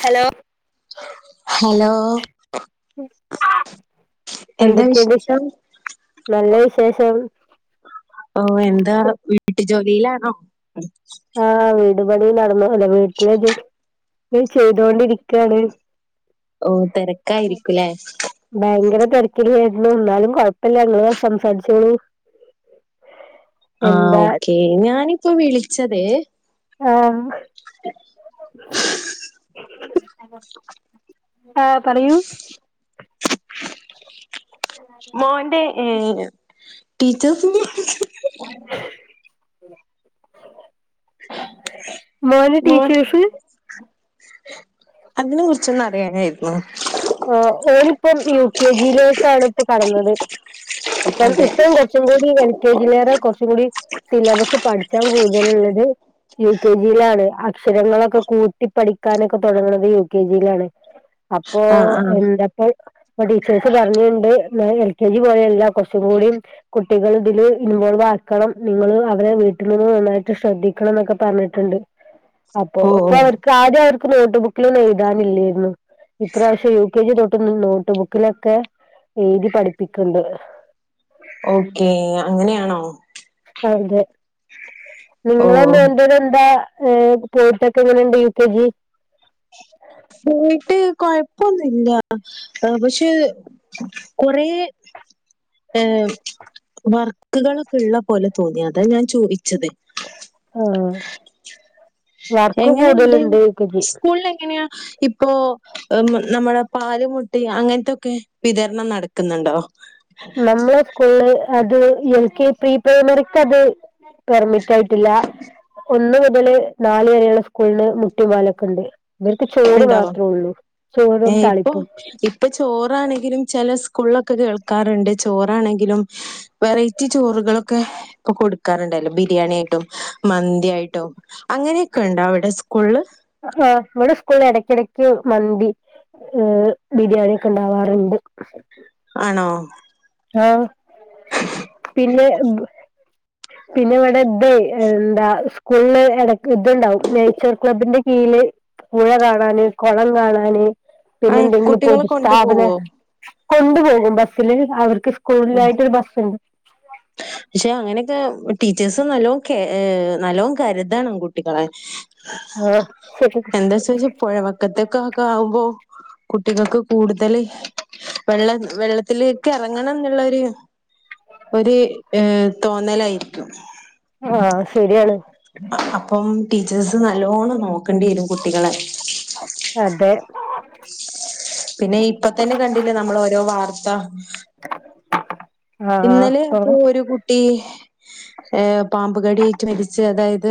Hello hello എന്താ എന്തൊക്കെണ്ട് വിശേഷം നല്ല വിശേഷം ഓ എന്താ വീട്ട് ജോലിലാണോ ആഹ് വീട് പണി നടന്ന അല്ലെ വീട്ടില ചെയ്തൊണ്ടിരിക്കാണ് ഓ തിരക്കായിരിക്കൂലേ ഭയങ്കര തെരക്ക് ഏഹ് എന്ന് ന്നാലും കൊഴപ്പില്ല ങ്ങള് സംസാരിച്ചോളൂ ആ എന്താ ഓക്കെ ഞാനിപ്പോ വിളിച്ചതേ ഹലോ ആഹ് പറയൂ [unintelligible] മോന്റെ ഏ [unintelligible] [unintelligible] മോന് മോൻ ടീചേസ് അതിനെ കുറിച്ചൊന്ന അറിയാനായിരുന്നു ആ ഓനിപ്പം യു കെ ജിയിലേക്കാണ് ഇപ്പ കടന്നത് അപ്പം അതെ ഇപ്പം കൊറച്ചും കൂടി എൽ കെ ജി ലേറെ കുറച്ചും കൂടി സിലബസ് പഠിച്ചാൽ കൂടുതലുള്ളത് യു കെ ജിയിലാണ് അക്ഷരങ്ങളൊക്കെ കൂട്ടി പഠിക്കാനൊക്കെ തുടങ്ങുന്നത് യു കെ ജിയിലാണ് അപ്പോ ആ ആ എന്താപ്പോ ടീച്ചേഴ്സ് പറഞ്ഞിണ്ട് എൽ കെ ജി പോലെയല്ല കൊറച്ചും കൂടിിയ കുട്ടികൾ ഇതില് ഇൻവോൾവ് ആക്കണം നിങ്ങള്ൾ അവരെ വീട്ടിൽ നിന്ന് നന്നായിട്ട് ശ്രദ്ധിക്കണം എന്നൊക്കെ പറഞ്ഞിട്ടുണ്ട് അപ്പൊ ഓ ഓ ഇപ്പൊ അവർക്ക് ആദ്യം അവർ ഇൻക്ക് നോട്ട് ബുക്കിലൊന്നും എഴുതാനില്ലേയിരുന്നു ഇപ്രാവശ്യം യു കെ ജി തൊട്ട് നോട്ട് ബുക്കിലൊക്കെ എഴുതി പഠിപ്പിക്ക്ണ്ട് ഓക്കേ അങ്ങനെയാണോ അതെ ഓ നിങ്ങളെ മോന്റെത് എന്താ ഏ പോയിട്ടൊക്കെ എങ്ങനെയണ്ട് യു കെ ജി പോയിട്ട് കൊഴപ്പൊന്നുമില്ല പക്ഷെ കൊറ ഏ വർക്കുകളൊക്കെ ഇള്ള പോലെ തോന്നി അതാ ഞാൻ ചോദിച്ചത് ആ വർക്ക് എങ്ങനെണ്ട് കൂടുതലുണ്ട് യു കെ ജി സ്കൂളിൽ എങ്ങനെയ ഇപ്പൊ നമ്മുടെ പാല് മുട്ടിം അങ്ങനത്തൊക്കെ വിതരണം നടക്കുന്നുണ്ടോ? നമ്മളെ സ്കൂൾല് അത് എൽ കെ പ്രീ പ്രൈമറിയ്ക്കത് പെർമിറ്റ് ആയിട്ടില്ല ഒന്ന് മുതല് നാല് വരെയുള്ള സ്കൂളിന് മുട്ടി പാലൊക്കെണ്ട് ഉണ്ടോ ഏ ചോറും ഇപ്പൊ താളിപ്പും ഇപ്പൊ ചോറാണെങ്കിലും ചെല സ് സ്കൂൾ ഒക്കെ കേൾക്കാറുണ്ട് ചോറാണെങ്കിലും വെറൈറ്റി ചോറുകളൊക്കെ ഒക്കെ കൊടുക്കാറുണ്ടല്ലോ ബിരിയാണിയായിട്ടും മന്തിയായിട്ടും അങ്ങനെ ക്കെണ്ടൊ അവിടെ സ്കൂളില് ആ ഇവിടെ സ്കൂളിൽ എടക്കിടക്ക് മന്തി ഏ ബിരിയാണി ഒക്കെ ഇണ്ടാവാറുണ്ട്. ആണോ ആ പിന്നെ [unintelligible] പിന്നെ ഇവിടെ തെയ് എന്താ സ്കൂള്ല് എട ഇതുണ്ടാവും നെയ്ച്ചോർ ക്ലബ്ബിന്റെ യില് പുഴ കാണാന്, കുളം കാണാന് ഏഹ് പിന്നെന്തെങ്കിലും ഇപ്പോ കുട്ടികളെ ഒരു സ്ഥാപനം കൊണ്ടുപോവോ? കൊണ്ടു പോകും ബസ്സില് അവർ ഉം. സ്കൂളിലായിട്ടൊരു ബസ്സുണ്ട് ടീച്ചേഴ്സും നല്ലോം കെ ഏ നല്ലോം കരുതണം കുട്ടികളെ ആ ശരി എന്താ ചോയ്ച്ചെ പുഴവക്കത്തൊക്ക ക്കെ ആവുമ്പോ കുട്ടികൾക്ക് കൂടുതൽ വെള്ള വെള്ളത്തിലേക്കെറങ്ങണ ന്നുള്ളൊരു ഒരു ഏ തോന്നലായിരിക്കും. ആ ശരിയാണ് അപ്പം ടീച്ചേഴ്സ് നല്ലോണം നോക്കേണ്ടി വരും കുട്ടികളെ അതെ പിന്നെ ഇപ്പ തന്നെ കണ്ടില്ലേ നമ്മളോരോ വാർത്ത ഇന്നലെ അപ്പൊ ഒരു കുട്ടി ഏ പാമ്പുകടിയേറ്റ് മരിച്ച് അതായത്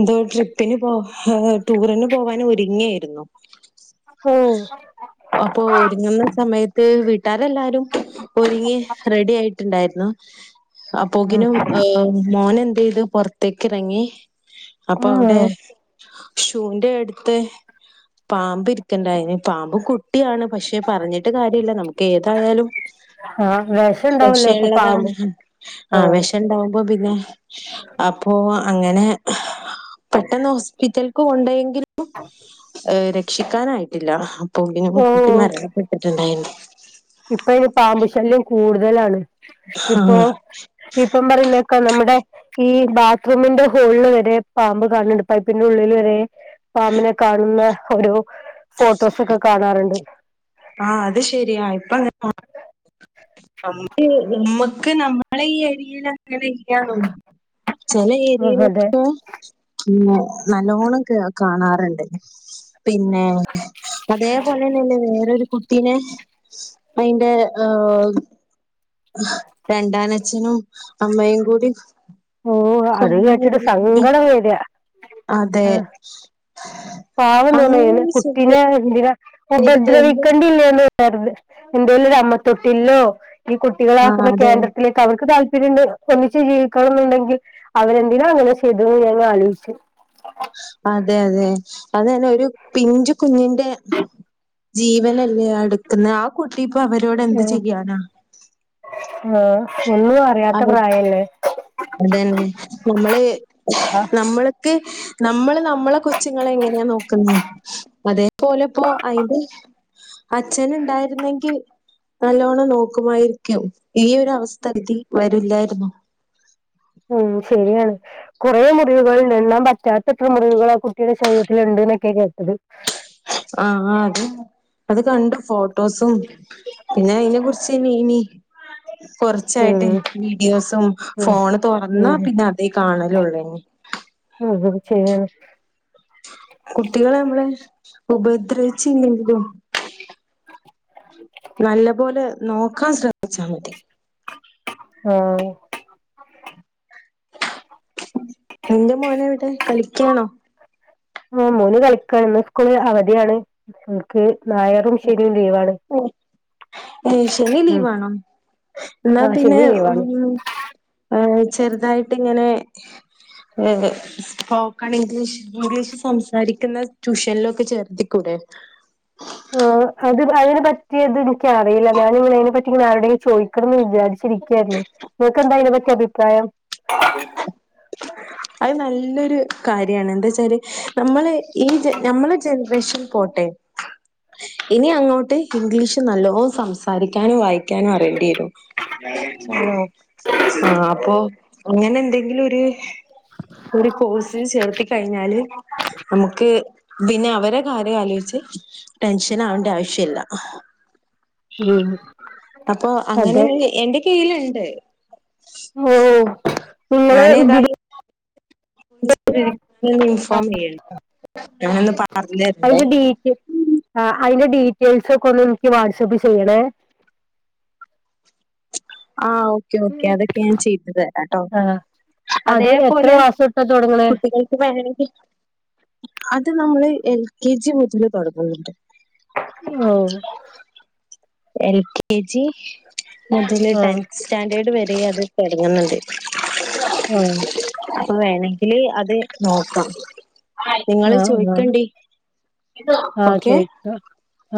എന്തോ ട്രിപ്പിന് പോ ടൂറിന് പോവാനൊരുങ്ങായിരുന്നു ഓ അപ്പൊ ഒരുങ്ങുന്ന സമയത്ത് വീട്ടാരെല്ലാരും ഒരുങ്ങി റെഡി ആയിട്ടുണ്ടായിരുന്നു ന്നു ഉം. അപ്പോകിനും ഏ മോനെ ഇത് പൊറത്തേക്കിറങ്ങി അപ്പൊ അവിടെ ഉം. ഷൂന്റെ അടുത്ത് പാമ്പ് ഇരിക്കണ്ടായി പാമ്പ് കുട്ടിയാണ് പക്ഷെ പറഞ്ഞിട്ട് കാര്യല്ല നമുക്ക് ഏതായാലും ആ വിഷം ഉണ്ടാവല്ലോ വെഷം ഇപ്പൊ പാമ്പ് ഉള്ളതാണ് ആ ആവശ്യഉണ്ടാവുമ്പോ പി പിന്നെ അപ്പോ അങ്ങനെ പെട്ടെന്ന് ഹോസ്പിറ്റൽക്ക് കൊണ്ട രക്ഷിക്കാനായിട്ടില്ല അപ്പൊ പിന്നെ ഓ കുട്ടിമരണപ്പെട്ടിട്ടുണ്ടായിരുന്നു ഇനി പാമ്പ് ശല്യം ഗേളാണോ ഇപ്പൊ ആഹ് ഇപ്പം പറയുന്നക്ക നമ്മുടെ ഈ ബാത്റൂമിന്റെ ഹോളിൽ വരെ പാമ്പ് കാണുന്നുണ്ട് പൈപ്പിന്റെ ഉള്ളിൽ വരെ പാമ്പിനെ കാണുന്ന ഒരു ഫോട്ടോസൊക്കെ കാണാറുണ്ട് ആ അത് ശരിയാ ഇപ്പ അങ്ങനെ [unintelligible] ചില ആ, അതെ ഏരിയയിലൊക്കെ നല്ലോണം കാണാറുണ്ട് പിന്നെ അതേപോലെന്നെല്ലേ വേറൊരു കുട്ടീനെ അയിന്റെ രണ്ടാനച്ഛനും അമ്മയും കൂടി ഓ അത് കൊന്നൊരു കേട്ടിട്ട് വീഡിയോ സങ്കടം വരാ അതെ അങ്ങനൊന്നും ചെയ്യ ഉപദ്രവിക്കണ്ടഇല്ലല്ലോ? എന്തേലും അമ്മത്തൊട്ടിലിലോ ഈ ആഹ് കുട്ടികളാക്കുന്ന അതെ കേന്ദ്രത്തിലേക്ക് അവർക്ക് താല്പര ണ്ട് ഒന്നിച്ച് ജീ ക്കന്നുണ്ടെങ്കിൽ അവരെന്തിന അങ്ങനെ ചെയ്തതെന്ന് ഞാൻ ആലോചിച്ചു അതെ അതെ അത് തന്നെ ഒരു പിഞ്ചു കുഞ്ഞിന്റെ ജീവനല്ലേ എടുക്കുന്ന ആ കുട്ട ഇപ്പൊ അവരോട് എന്ത് ചെയ്യാനാ ഉം ഒന്നും അറിയാത്ത അവർ പ്രായല്ലേ അതന്നെ നമ്മള് ആഹ് നമ്മള നമ്മക്ക് നമ്മള് നമ്മളെ കൊച്ചുങ്ങളെ എങ്ങനെയാ നോക്കുന്നേ അതേ പ്പോലെത്ത അയിൻ്റെ അച്ഛനുണ്ടായിരുന്നെങ്കിൽ നല്ലോണം നോക്കുമായിരിക്കും ഈ ഒരു അവസ്ഥ ഇതിന് വരില്ലായിരുന്നു ഉം ശരിയാണ് കുറേ മുറിവുകളില്ലല്ലോ? പറ്റാത്തട്ടമുറിവുകൾ ആ കുട്ടിയുടെ ശരീരത്തിലുണ്ട്എന്നൊക്കെയാ കേട്ടത് ആ ആഅത് അത് കണ്ടു ഫോട്ടോസും പിന്നെ അതിനെ കുറിച്ച് നീനി കൊറച്ചായിട്ട് ഉം വീഡിയോസും ഉം ഫോണ് തുറന്നാ പിന്നെ അതേ കാണലുള്ളുന്നെ ഉം ഉം ശരിയാണ് കുട്ടികളെ നമ്മള് ഉപദ്രവിച്ചില്ലെങ്കിലും നല്ല പോലെ നോക്കാൻ ശ്രമിച്ചാൽ മതി. ആ എന്റെ മോനെവിടെകളിക്കാണോ? ആ മൂന്ന് കളിക്കാണ്സ്കൂള് അവധിയാണ്. സ്കൂൾക്ക് ശനി ഉം ലീവാണോ? എന്നാ ആ പിന്നെ ശനി ലീവാണ് ഉം ചെറുതായിട്ട് ഇങ്ങനെ ഏ സോപക്കൺ ഇംഗ്ലീഷ് ഇംഗ്ലീഷ് സംസാരിക്കുന്ന ട്യൂഷനിലൊക്കെ ചേർത്തിക്കൂടെ? ആ അത് അതിനെ പറ്റിയത് എനിക്കറിയില്ല. ഞാൻ നിങ്ങ അതിനെ പറ്റി ഇങ്ങനെ ആരുടെെങ്കിലും ചോദിക്കണമെന്ന് വിചാരിച്ചിരിക്കായിരുന്നു നിങ്ങക്കെന്താ അതിനെ പറ്റി അഭിപ്രായം? [inaudible] അത് നല്ലൊരു കാര്യമാണ് എന്താ വച്ചാല് നമ്മള് ഈ നമ്മളെ ജനറേഷൻ പോട്ടെ ഇനി അങ്ങോട്ട് ഇംഗ്ലീഷ് നല്ലോ സംസാരിക്കാനോ വായിക്കാനോ അറിയേണ്ടി വരും. ആണോ ആ അപ്പൊ അങ്ങനെ എന്തെങ്കിലും ഒരു ഒരു കോഴ്സ് ചേർത്തി കഴിഞ്ഞാല് നമുക്ക് പിന്നെ അവരെ കാര്യം ആലോചിച്ച് ടെൻഷൻ ആവേണ്ട ആവശ്യമില്ല ഉം അപ്പൊ അങ്ങനെ അതെ എന്റെ കയ്യിലുണ്ട് ഓ നിങ്ങളെ ഞാൻ ഇ ഏതായാലും അതിന്റെ ഡീറ്റെയിൽ ആ [inaudible] അതിന്റെ ഡീറ്റെയിൽസ് ഒക്കെ ഒന്ന് എനിക്ക് വാട്സ്ആപ്പ് ചെയ്യണേ. ആ ഓക്കെ ഓക്കെ അതൊക്കെ ഞാൻ ചെയ്തു തരാംട്ടോ ആ അത് എത്ര അതേപോലെ മാസം തൊട്ടാ തുടങ്ങണേ കുട്ടികൾക്ക് വേണങ്കിൽ അത് നമ്മള് എൽ കെ ജി മുതൽ തുടങ്ങുന്നുണ്ട് ഓ എൽ കെ ജി മുതിൽ ആ ട്ടൻ സ്റ്റാൻഡേർഡ് വര അ അത് തുടങ്ങുന്നുണ്ട് ആഹ ഇപ്പ വേണെങ്കില് അത് നോക്കാം നിങ്ങള് ചോയ്ക്കണ്ടി ആഹ് ചോയ്ക്ക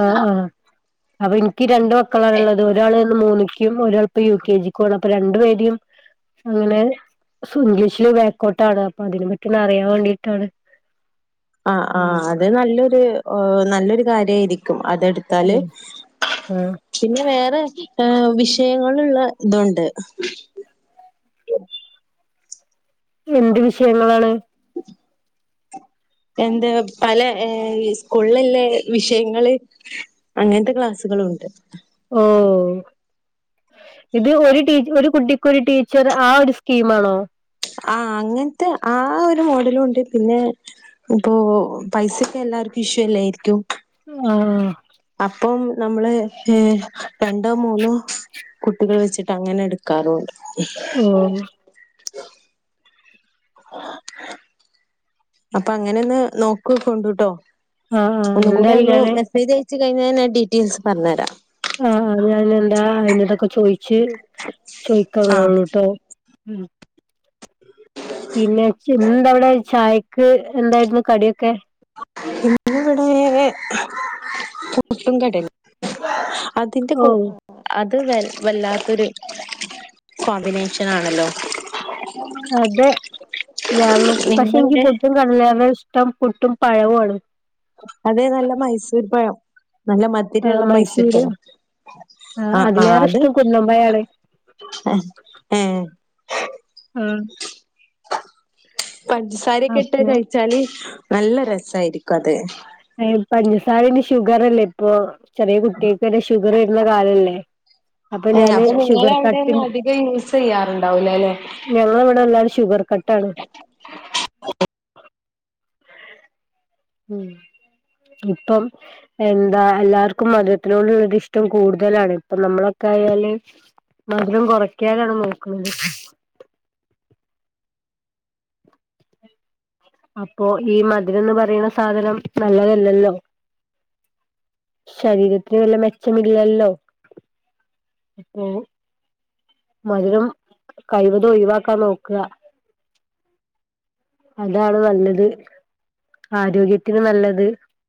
ആഹ ആഹ അപ്പം ഇൻ ക്കി രണ്ടു മക്കളാണ് ഉള്ളത് ഒരാള് മൂന്നിക്കും ഒരളിപ്പം യു കെ ജിക്കാണ് അപ്പൊ രണ്ടു പേരും അങ്ങനെ ഇംഗ്ലീഷില് ബാക്കോട്ടാണ് അപ്പൊ അതിനെ പറ്റി അറിയൻ വേണ്ടിട്ടാണ് ആ ആ അത് നല്ലൊരു ഓ നല്ലൊരു കാര്യമായിരിക്കും അതെടുത്താല് ഉം ആഹ് പിന്നെ വേറെ ന്നെ വിഷയങ്ങളുള്ള ഇതുണ്ട്. എന്ത് വിഷയങ്ങളാണ്? എന്ത്‌ പല ഏ സ്കൂൾലല്ലേ വിഷയങ്ങള് അങ്ങനത്തെ ക്ലാസ്സുകളുണ്ട്. ഓ ഇത് ഒരു ടീ ഒരു കുട്ടിക്കൊരു ടീച്ചർ ആ ഒരു സ്കീം ആണോ? ആ അങ്ങനത്തെ ആ ഒരു മോഡല് കൊണ്ട് പിന്നെ ഇപ്പോ പൈസക്ക് എല്ലാർക്കും ഇഷൂ അല്ലായിരിക്കും. ആ ആ ഇപ്പം നമ്മള് ഏ രണ്ടോ മൂന്നോ കുട്ടികൾ വെച്ചിട്ട് അങ്ങനെ എട് ഓ [unintelligible] അപ്പോ അങ്ങനെ ഒന്ന് നോക്ക് കൊണ്ട്ട്ടോ. ആ ആ എന്ത്‌ [unintelligible] ച്ച് കഴിഞ്ഞന്നെ ഡീറ്റെയിൽസ് പറഞ്ഞ തരാം. ആ ഞാൻ എന്താ അയിനോടൊക്കെ ചോയിച്ച് ആഹ് ചോയിക്കാറുള്ളൂട്ടോ. മ് പിന്നെ എന്തവിടെ ചായ് ക്ക് എന്തായിരുന്നു കടിയൊ ഇന്നിവിടെ പുട്ടും കടലേ അതിന്റെ ഓ കു അ ത് വ വല്ലാത്തൊരു കോമ്പിനേഷൻ ആണല്ലോ അതെ ഞങ്ങക്ക് പക്ഷെ എനിക്ക് നിങ്ങളുടെ പുട്ടും കടലേമി ട്ടം പുട്ടും പഴവുആണ് അത് നല്ല മൈസൂർ പഴം നല്ല മതിരള്ള മൈസട്ടാ മൈസൂര് ആ ആ അതിലേറെ അത് ഇഷ്ടം കുന്നമ്പായാണ് ഏ പഞ്ചസാരയൊക്കെ ഇട്ട് അപ്പൊ കഴിച്ചാല് നല്ല രസായിരിക്കും അത് എ പഞ്ചസാരന്റെ ഷുഗർല്ലേ ഇപ്പൊ ചെറിയ കുട്ടികൾക്കരെ ഷുഗർ വരുന്ന കാലല്ലേ അപ്പോ ഏഹ് ഞാൻ അപ്പൊ ഷുഗർ നിങ്ങളവിടെയൊന്നും കട്ടിങ് അധികം യൂസ് ചെയ്യാറുണ്ടാവൂലല്ലേ? ഞങ്ങൾ ഇവിടെ എല്ലാരും ഷുഗർ കട്ടാണ് ഉ ഇപ്പം എന്താ എല്ലാർക്കും മധുരത്തിനോടുള്ളത് ഇഷ്ടം കൂടുതലാണ് ഇപ്പൊ നമ്മളൊക്കെ ആയാല് മധുരം കുറക്കനാണ് നോക്കണത് അപ്പോ ഈ മധുരംന്ന് പറയണ സാധനം നല്ലതല്ലല്ലോ ശരീരത്തിന് വല്ല മെച്ചമില്ലല്ലോ അപ്പൊ മധുരം കഴിവതും ഒഴിവാക്കാൻ നോക്ക അതാണ് നല്ലത് ആരോഗ്യത്തിന് നല്ലത്